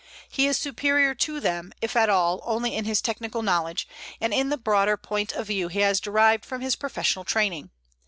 He is superior to them, if at all, only in his technical knowledge, and in the broader point of view he has derived from his professional training.